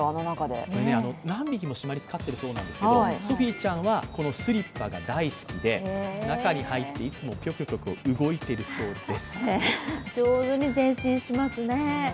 何匹もシマリス飼ってるそうなんですけどソフィーちゃんはこのスリッパが大好きで、中に入ってチョコチョコ上手に前進しますね。